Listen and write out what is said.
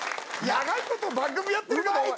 長いこと番組やってるけどお前」